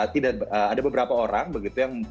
tidak ada beberapa orang begitu yang